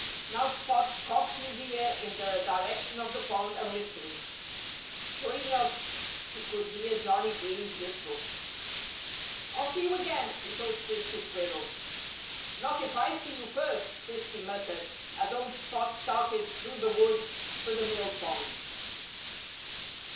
Now Spot cocked his ear in the direction of the pond and listened. Sure enough! he could hear Johnnie Green's whistle. "I'll see you again," he told Frisky Squirrel. "Not if I see you first!" Frisky muttered as old Spot started through the woods for the mill pond.